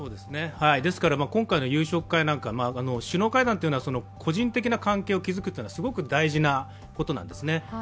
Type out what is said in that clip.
ですから今回の夕食会は、首脳会談は個人的な関係を築くことはすごく大事なことなんですね。